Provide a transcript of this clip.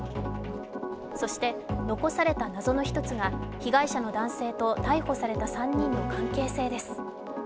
そして残された謎の一つが、被害者の男性と逮捕された３人の関係性です。